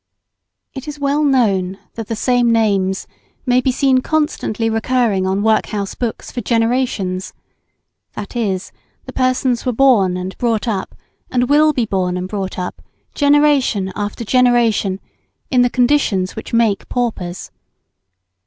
It is well known that the same names may be seen constantly recurring on workhouse books for generations. That is, the persons were born and brought up, and will be born and brought up, generation after generation, in the conditions which make paupers.